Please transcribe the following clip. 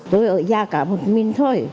tôi ở nhà cả một mình thôi